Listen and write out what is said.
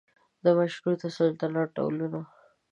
د مشروطه سلطنت ډولونه